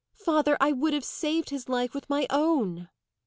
Father, I would have saved his life with my own!"